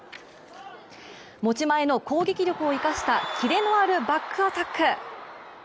持ち前の攻撃力を生かしたキレのあるバックアタック。